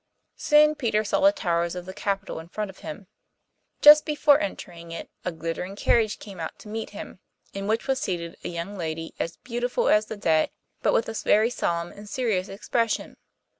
Soon Peter saw the towers of the capital in front of him. Just before entering it, a glittering carriage came out to meet him, in which was seated a young lady as beautiful as the day, but with a very solemn and serious expression.